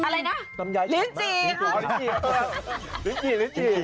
ลินจี่